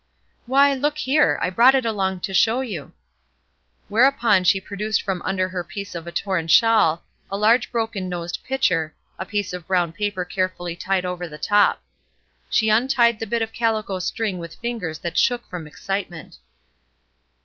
"Why, look here! I brought it along to show you." Whereupon she produced from under her piece of torn shawl a large broken nosed pitcher, a piece of brown paper carefully tied over the top. She untied the bit of calico string with fingers that shook from excitement.